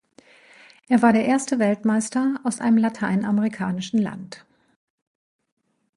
Er war der erste Weltmeister aus einem lateinamerikanischen Land.